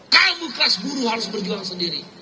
kamu kelas guru harus berjuang sendiri